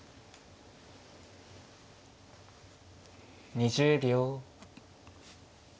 ２０秒。